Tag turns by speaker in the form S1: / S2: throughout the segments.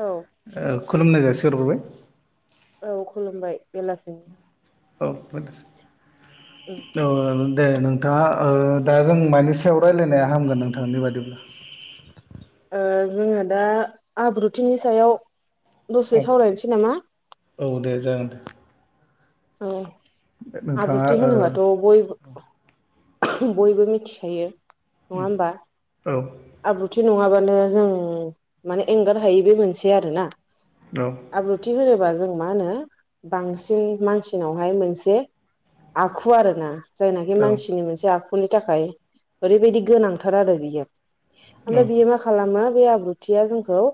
S1: औ
S2: ओ खुलुमनाय जायसि हरग्रोबाय।
S1: औ खुलुमबाय बेलासि
S2: औ
S1: उम
S2: औ। दे नोंथाङा ओ दा जों मानि सायाव रायलायनाया हामगोन नोंथांनि बादिब्ला?
S1: ओ जोङो दा आब्रुथिनि सायाव
S2: औ
S1: दसे सावरायनोसै नामा?
S2: औ दे जागोन दे।
S1: औ
S2: नोंथाङा
S1: आब्रुथि होनोबाथ' बयबो बयबो मिथिखायो नङा होमबा?
S2: ओ औ
S1: आब्रुथि न ङाबानो जों माने एंगार हायि बे मोनसे आरोना। आब्रुथि होनोबा जों मा होनो बांसिन मान सिनावहाय मोनसे आखु आरो ना जायनाखि
S2: औ
S1: मानसिनि मोनसे आखु नि थाखाय ओरैबायदि गोनांथार आरो बियो।
S2: औ
S1: ओमफ्राय बियो मा खालामो बे आब्रुथिया जोंखौ ओ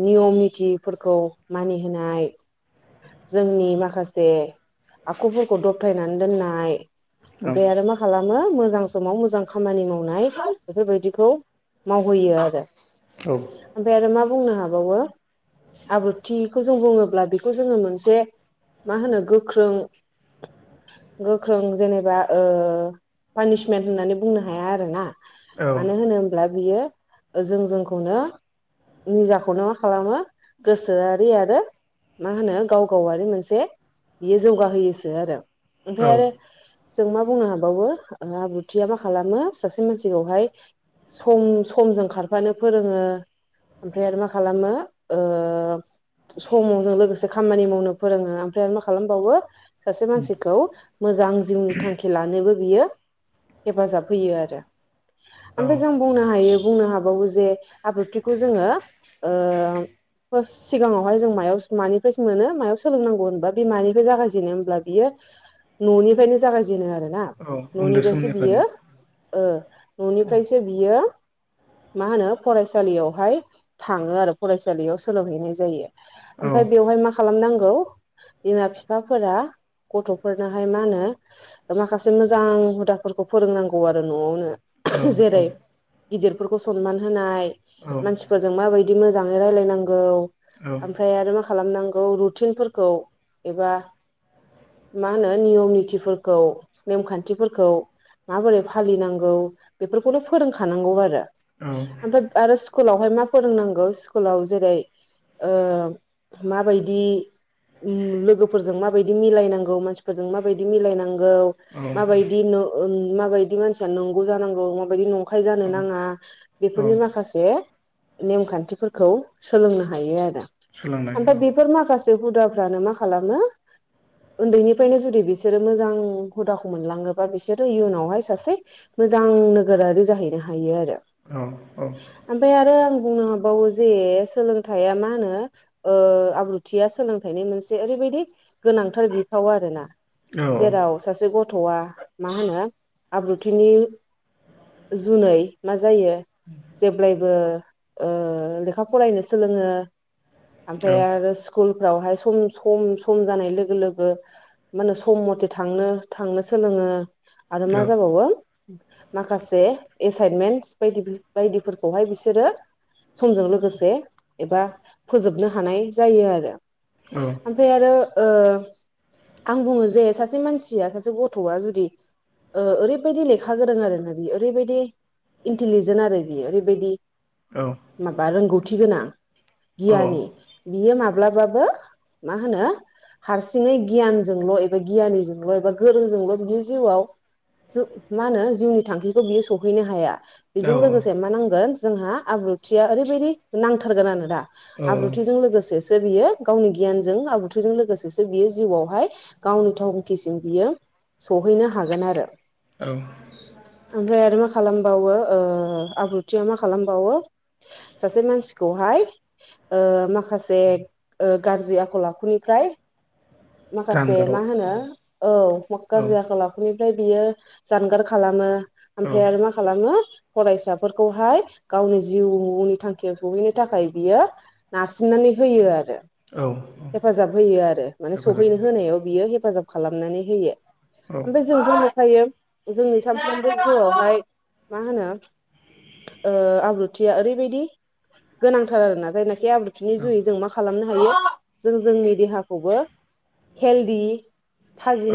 S1: नियम निथिफोरखौ मानि होनाय जोंनि माखासे आखुफोरखौ दबथायनानै दोननाय,
S2: औ
S1: ओमफ्राय आरो मा खालाम मो मोजां समाव मोजां खामानि मावनाय बेफोरबायदिखौ मावहोयो आरो। ओमफाय आरो मा बुंनो हा बावो आब्रुथिखौ जों बुङोब्ला बेखौ जोङो मोन से मा होनो गोख्रों गोख्रों जेनेबा ओ पानिसमेन्ट होननानै बुंनो हाया आरो ना। मानो होनब्ला बियो जों जोंखौनो निजाखौनो मा खालामो गोसोआरि आरो मा होनो गाव गावारि मोनसे बियो जौगाहोयोसो आरो। ओमफ्राय
S2: औ औ
S1: आरो जों मा बुंनो हाबावो आब्रुथिया मा खालामो सासे मानसिखौहाय सम-समजों खारफानो फोरोङो, ओमफ्राय आरो मा खालामो ओ सम'जों लोगोसे खामानि मावनो फोरोङो ओमफ्राय आरो मा खालामबावो सासे मानसिखौ मोजां जिउनि थांखि ला नोबो बियो हेफाजाब होयो आरो।
S2: औ
S1: ओमफाय जों बुंनो हायो बुंनो हाबावो जे आब्रुथिखौ जोङो ओ फार्स्ट सिगाङावहाय जों मायाव मानि प्राइस मोनो मायाव सोलोंनांगौ होनबा बेमानिखौ जागायजेनो होनब्ला बियो न'निफ्रायनो जागायजेनो आरो ना
S2: औ उन्दै
S1: न'निफ्रायसो बियो
S2: समनिफ्रायनो
S1: ओ न'निफ्रायसो बियो मा होनो फरायसालियावहाय थाङो आरो फरायसालियाव सोलोंहैनाय जायो
S2: औ
S1: आमफाय बेवहाय मा खालामनांगौ बिमा बिफाफोरा गथ'फोरनोहाय मा होनो माखासे मोजां हुदाफोरखौ फोरोंनांगौ आरो न'आवनो।
S2: औ औ
S1: जेरै गिदिरफोरखौ सनमान होनाय
S2: औ
S1: मानसिफोरजों माबायदि मोजाङै रायलायनांगौ ओमफ्राय आरो मा खालामनांगौ रुटिनफोरखौ एबा मा होनो नियम नितिफोरखौ नेमखान्थिफोरखौ माबोरै फालिनांगौ बेफोरखौनो फोरोंखानांगौ आरो।
S2: औ
S1: ओमफाय आरो स्कुलावहाय मा फोरोंनांगौ स्कुलाव जेरै ओ माबायदि लोगोफोरजों माबायदि मिलायनांगौ मानसिफोरजों माबायदि मिलायनांगौ माबायदि न माबायदि मानसिया नंगौ जानांगौ माबायदि नंखाय जानो नाङा
S2: औ औ
S1: बेफोरनि माखासे नेमखान्थिफोरखौ सोलोंनो हायो आरो
S2: सोलोंनाय
S1: आमफाय
S2: औ
S1: बेफोर माखासे से हुदाफ्रानो मा खालामो उन्दैनिफ्रायनो जुदि बिसोरो मोजां हुदाखौ मोनलाङोबा बिसोरो इयुनावहाय सासे मोजां नोगोरारि जाहैनो हायो आरो।
S2: औ औ
S1: आमफाय आरो आं बुंनो हाबावो जे सोलोंथाइया मा होनो ओ आब्रुथिया सोलोंथाइनि मोनसे ओरैबायदि गोनांथार बिफाव आरोना।
S2: औ
S1: जेराव सासे गथ'आ मा होनो आब्रुथिनि जुनै मा जायो। जेब्लायबो ओ लेखा फरायनो सोलोङो ओमफाय आरो स्कुलफ्रावहाय सम सम सम जानाय लोगो लोगो मा होने सम मथे थांनो थांनोसै सोलोङो आरो मा
S2: औ
S1: जाबावो माखासे एसाइनमेन्टस बायदि बायदिफोरखौहाय बिसोरो समजों लोगोसे एबा फोजोबनो हानाय जायो आरो ओमफ्राय आरो ओ आं बुङो जे सासे मानसिया सासे गथ'आ जुदि ओ ओरैबायदि लेखा गोरों आरोना बि ओरैबायदि इन्टेलिजेन्ट आरो बियो ओरैबायदि
S2: औ
S1: माबा रोंगौथि गोनां
S2: औ
S1: गियानि बियो माब्लाबाबो मा होनो हारसिङै गियानजोंल' एबा गियानिजोंल' एबा गोरोंजोंल' बिदि जिउआव ज मा होनो जिउनि थांखिखौ बियो सौहैनो हाया।
S2: औ
S1: बेजों लोगोसे मा नांगोन जोंहा आब्रुथिया ओरैबायदि नांथारगोन आरो दा।
S2: औ
S1: आब्रुथिजों लोगोसेसो बियो गावनि गियानजों आब्रुथिजों लोगोसेसो बियो जिउआवहाय गावनि थंखिसिम बियो सहैनो हागोन आरो।
S2: औ
S1: ओमफाय आरो मा खालामबावो ओ आब्रुथिया मा खालामबावो सासे मानसिखौहाय ओ माखासे गाज्रि आखल आखुनिफ्राय माखासे मा
S2: जानगाराव
S1: होनो औ गाज्रि आखल आखुनिफ्राय बियो जानगार खालामो
S2: औ
S1: ओमफ्राय आरो मा खालामो। फरायसाफोरखौहाय गावनि जिउनि थांखियाव सहैनो थाखाय बियो नारसिननाय। होयो आरो
S2: औ
S1: हेफाजाब होयो आरो माने
S2: हेफाजाब
S1: सहैनो होनायाव बियो हेफाजाब खालामनानै होयो।
S2: औ
S1: ओमफ्राय जों बुं नखायो जोंनि सामफ्रोमबोआवहाय मा होनो ओ आब्रुथिया ओरैबायदि गोनांथार आरोना जायनाखि आब्रुथिनि
S2: औ
S1: जुयै जों मा खालामनो हायो जों जोंनि देहाखौबो हेल्दि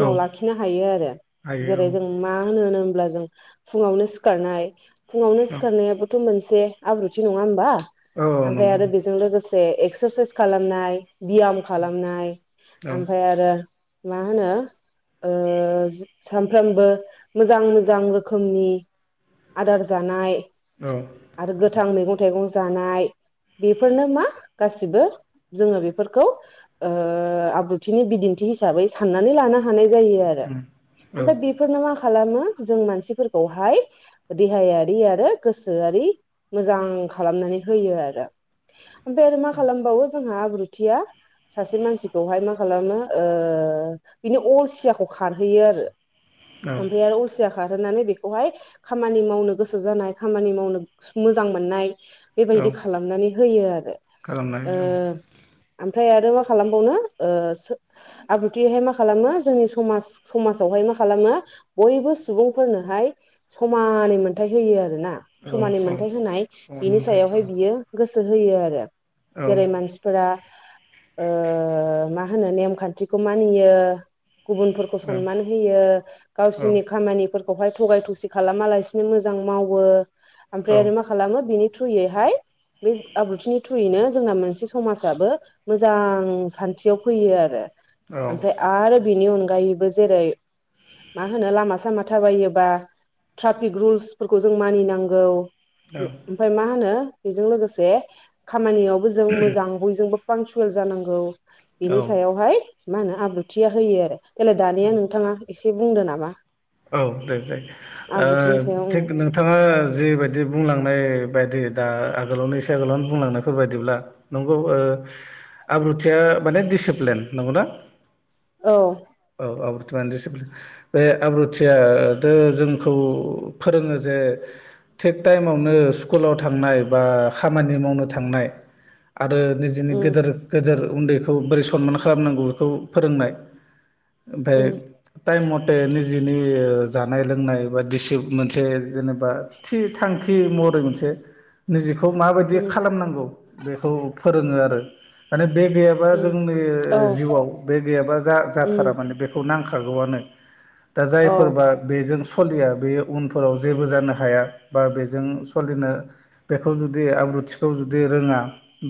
S2: औ
S1: लाखिनो हायो आरो
S2: हायो
S1: जेरै
S2: औ
S1: जों मा होनो होनो हब्ला जों फुङावनो सिखारनाय फुङावनो
S2: औ
S1: सिखारनायाबोथ' मोनसे एसे आब्रुथि नंङा होमबा
S2: औ
S1: ओमफ्राय
S2: नंगौ
S1: आरो बेजों लोगोसे एक्सारसाइस खालामनाय बियाम खालामनाय
S2: औ
S1: ओमफ्राय आरो मा होनो ओ सानफ्रामबो मोजां मोजां रोखोमनि आदार जानाय
S2: औ
S1: आरो गोथां मैगं थाइगं जानाय बेफोरनो मा गासिबो जोंङो बेफोरखौ ओ ओ आब्रुथिनि बिदिन्थि हिसाबै साननानै लानो हानाय जायो आरो
S2: उम औ
S1: ओमफ्राय बेफोरनो मा खालामो जों मानसिफोरखौहाय देहायारि आरो गोसोआ रि मोजां खालामनानै होयो आरो ओमफ्राय आरो मा खालामबावो जोंहा आब्रुथिया सासे मानसि बेवहाय मा खालामो ओ बिनि अलसियाखौ खारहैयो आरो
S2: औ
S1: ओमफ्राय आरो अलसिया खारहोनानै बेखौहाय खामानि मावनो गोसो जानाय खामानि मावनो मोजां मोजां मोननाय
S2: औ
S1: बेबायदि खालामनानै होयो आरो।
S2: खालामनाय
S1: ओ
S2: दं
S1: ओमफ्राय आरो मा खालामबावनो ओ सो आब्रुथियैहाय मा खालामो जोंनि समाज समाजावहाय मा खालामो बयबो सुबुंफोरनोहाय समानै मोनथ होयो आरोना
S2: औ
S1: समानै
S2: औ
S1: मोनथाय होनाय
S2: फन
S1: बिनि स
S2: पे औ
S1: हाय बियो गोसो होयो आरो
S2: औ
S1: जेरै मानसिफोरा ओ मा होनो नेमखान्थिखौ मानियो गुबुनफोरखौ
S2: औ
S1: सनमान होयो
S2: औ
S1: गावसोरनि खामानिफोरखौहाय थगाय थसि खालामालासिनो मोजां आं मावो ओमफ्राय आरो मा खालामो बिनि थ्रुयैहाय बे आब्रुथिनि थ्रयैनो जोंना मोनसे समाजाबो मोजां सान खाथियाव फैयो आरो ओमफ्राय आरो बेनि अनगायैबो जेरै मा होनो लामा सामा थाबायोबा ट्राफिक रुलसफोरखौ जों मानिनांगौ ओ
S2: औ
S1: ओमफ्राय मा होनो बेजों लोगोसे खामानियावबो जों मोजां बयजोंबो पांसुयेल जानांगौ
S2: औ
S1: बिनि
S2: औ
S1: सायावहाय मा होनो आब्रुथिया होयो आरो देलाय दानिया नोंथाङा एसे बुंदो नामा?
S2: औ दे दे
S1: आब्रुथिनि सायाव
S2: ओ
S1: उम
S2: थिग नोंथाङा जिबायदि बुंलांनाय ब दा आावनो आोलावनो बुंलांनायफोर बायदिब्ला नंगौ ओ आब्रुया माने डिसिप्लिन नंगौना
S1: औ
S2: टिप्लिन बे आब्रुथिय थो जोंखौ फोरोंङो जे थिग टाइमावनो स्कुलाव थांनाय बा खामानि मावनो थांनाय आरो निजेनि
S1: उम
S2: गेदेर गेदेर उन्दैखौ बोरै सनमान खालामनांगौ बेखौ फोरोंनाय ओमफफ्राय
S1: उम
S2: टाइमथ बिनि जानाय लोंनाय बा दिसि मोनसे जेनेबा थि थांखि महरै मोनसे निजेखौ माबायदि
S1: उम
S2: खालामनांगौ बेखौ फोरोंङो आरो माने बे गैयाबा
S1: उम
S2: जोंनि
S1: औ
S2: जिउआव बे गैयाबा जा
S1: उम
S2: जाथारा माने बेखौ नांखार खारागौआनो दा
S1: औ
S2: जायफोरबा बेजों सलिया बे उनफोराव जेबो जानो हाया बा बेजों सलिनो बेखौ जुदि आब्रुथि खाथिखौ जुदि रोंङा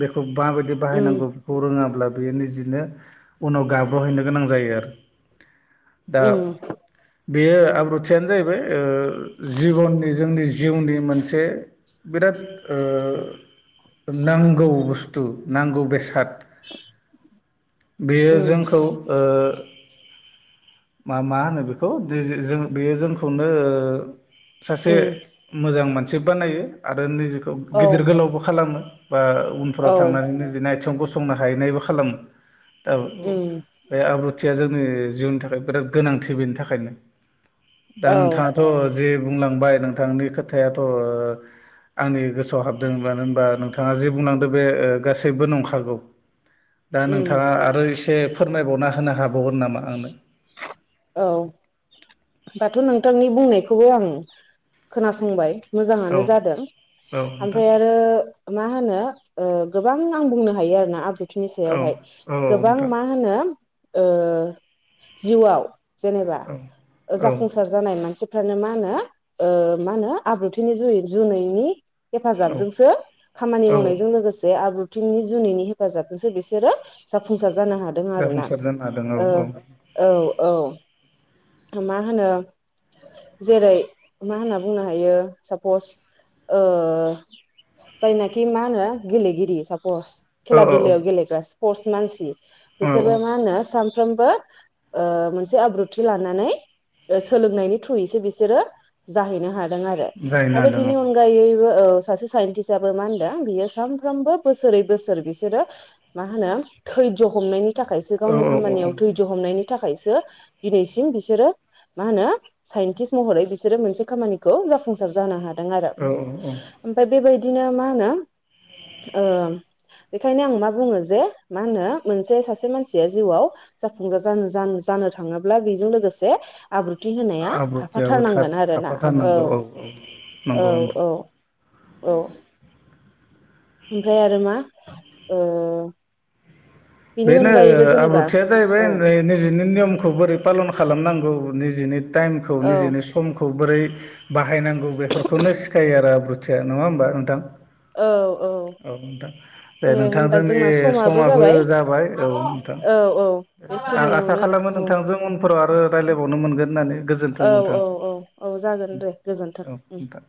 S2: बेखौ माबायदि
S1: उम
S2: बाहायनांगौ बेखौ रोङाब्ला बेयो निजेनो उनाव गाब्रहैनो गोनां जायो आरो। दा
S1: उ
S2: बेयो आब्रुथियानो जाहैबाय जिबननि जोंनि जिउनि मोनसे बिराद नांगौ बुस्थु। नांगौ बेसाद बेयो
S1: उम
S2: जोंखौ ओ मा मा होनो बेखौ जों बेयो जोंखौनो। सासे
S1: उम
S2: मोजां मानसि बानायो आरो निजेखौ
S1: औ
S2: गिदिर गोलावबो खालामो। बा उनफोराव
S1: औ
S2: थांनानैनो निजिनि आथिङाव गसंनो। दा
S1: उम
S2: बे आब्रुथिया जोंनि जिउनि थाखाय बिराद गोनांथि बेनि थाखायनो। दा
S1: औ
S2: नोंथाङाथ जे बुंलांबाय नोंथांनि खोथायाथ ओ। आंनि गोसोआव हाबदों मानो होनबा नोंथाङा जे बुंलांदों बे गासैबो नंखागौ। दा
S1: उम
S2: नोंथाङा आरो एसे फोरमायबावना होनो हाबावगोन नामा आंनो।
S1: औ दाथ नोंथांनि बुंनायखौबो आं खोनासंबाय।
S2: औ
S1: मोजाङानो जादों
S2: औ नोंथां
S1: ओमफ्राय आरो मा होनो। ओ गोबां आं बुंनो हायो आरोना आब्रुथिनि
S2: औ
S1: सायावहाय
S2: औ
S1: गोबां
S2: नोंथां
S1: मा होनो। ओ जिउआव जेनेबा
S2: औ औ
S1: जाफुंसार जानाय मानसि मा होनो ओ मा होनो आब्रुथिनि जुन जुनैनि हेफाजाबजोंसो खामानि
S2: औ
S1: मावनायजों लोगोसे आब्रु थिंनि जुनैनि हेफाजाबजोंसो बिसोरो जाफुंसार जानो हादों आरोना
S2: जाफुंसार जानो हादों औ
S1: ओ। औ औ मा होनो। जेरै मा होनना बुंनो हायो सापस। जायनाखि मा होना गेलेगिरि सा स्पर्टस
S2: औ
S1: खेला
S2: औ
S1: दुलायाव गेलेग्रा स्पर्टस मानसि
S2: औ
S1: बिसोरबो
S2: औ
S1: मा होनो सानफ्रोमबो ओ मोनसे आब्रुथि लानानै सोलोंनायनि थ्रुयैसो बिसोरो जाहैनो हागोन।
S2: जाहैनो
S1: आरो
S2: हादों औ
S1: बिनि अनगायै औ सासे साइन्टिसआबो मा होनदों बियो सानफ्रोमबो बोसोरै बोसोर बिसोरो मा होनो थैज्य हमनायनि थाखायसो
S2: औ
S1: गावनि
S2: औ
S1: खामानियाव थैज्य हमनायनि थाखायसो दिनैसिम बिसोरो मा होनो साइन्टिस्ट महरै बिसोरो मोनसे खामानिखौ जाफुंसार जानो हादों।
S2: औ औ
S1: ओमफ्राय बेबायदिनो मा होनो ओं बेखायनो आं मा बुङो जे मा होनो मोनसे सासे मानसिया जिउआव जाफुंजार जानो जानो थाङोब्ला बेजों लोगोसे आब्रुथि होनाया
S2: आब्रुथियाबो
S1: थाफाथारनांगोन आरोना औ
S2: थाफाथारनांगौ औ
S1: औ
S2: नंगौ नोंथां
S1: औ। औ। ओमफ्राय आरो मा ओ। बिनि
S2: बेनो
S1: अनगायैबो जेनेबा
S2: आब्रुथिया जाहैबाय
S1: औ
S2: निजिनि नियम। बोरै फालन खालामनांगौ निजिनि टाइमखौ
S1: औ
S2: निजिनि समखौ बोरै बाहायनांगौ बेफोरखौनो सिखायो आरो आब्रुथिया नङा होमबा नोंथां। औ नोंथां दे नोंथां जोंनि समाबो जाबाय। औ नोंथां
S1: औ औ
S2: आं आसा
S1: बेखिनियावनो
S2: खालामो
S1: औ
S2: नोंथांजों उनफोराव आरो रायलायबावनो मोनगोन होननानै गोजोन्थों
S1: औ
S2: नोंथां
S1: औ औ औ जागोन दे
S2: औ
S1: गोजोन्थों
S2: नोंथां।